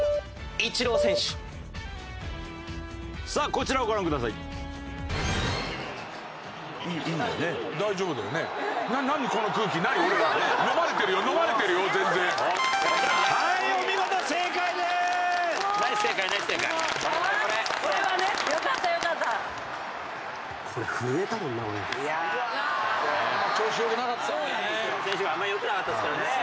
イチロー選手があんまり良くなかったですからね。